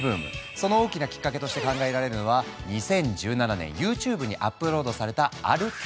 その大きなきっかけとして考えられるのは２０１７年ＹｏｕＴｕｂｅにアップロードされたある曲。